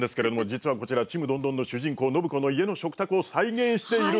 実はこれ「ちむどんどん」の主人公暢子の家の食卓を再現しているんです。